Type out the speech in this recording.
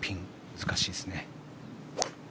難しいですね。